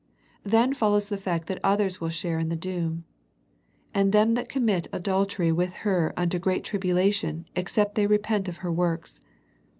Then follows the fact that others will share in the doom. " And them that commit adul tery with her into great tribulation, except they repent of her works."